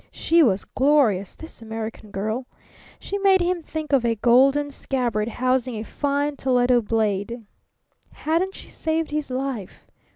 She was glorious, this American girl. She made him think of a golden scabbard housing a fine Toledo blade. Hadn't she saved his life?